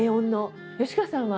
吉川さんは？